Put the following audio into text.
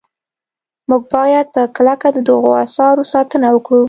موږ باید په کلکه د دغو اثارو ساتنه وکړو.